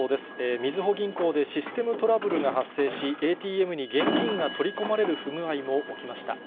みずほ銀行でシステムトラブルが発生し、ＡＴＭに現金が取り込まれる不具合も起きました。